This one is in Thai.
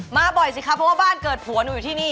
มาบ่อยสิครับเพราะว่าบ้านเกิดผัวหนูอยู่ที่นี่